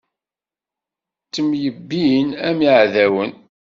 Ttemyebbin am iɛdawen.